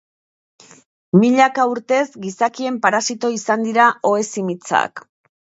Milaka urtez gizakien parasito izan dira ohe-zimitzak.